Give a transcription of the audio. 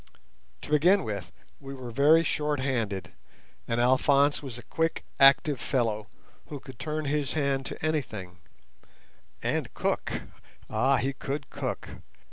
To begin with, we were very short handed, and Alphonse was a quick, active fellow, who could turn his hand to anything, and cook—ah, he could cook!